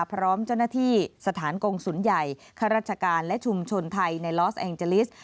พร้อมเจ้าหน้าที่สถานกงศูนย์ใหญ่ข้าราชการและชุมชนไทยในลอสแองเจลิส